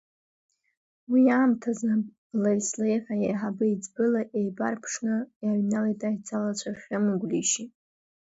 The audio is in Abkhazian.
Уи аамҭазы, блеи-слеи ҳәа, еиҳабы-еиҵбыла еибарԥшны иааҩналеит аицалацәа Хьымеи Гәлишьеи.